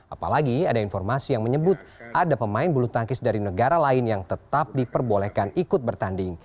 apalagi ada informasi yang menyebut ada pemain bulu tangkis dari negara lain yang tetap diperbolehkan ikut bertanding